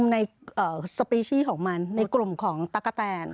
ในสปีชีของมันในกลมของจักรแตน